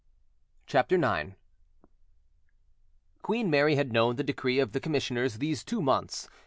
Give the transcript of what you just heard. CHAPTER IX Queen Mary had known the decree of the commissioners these two months.